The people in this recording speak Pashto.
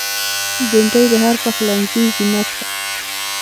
بېنډۍ د هر پخلنځي زینت ده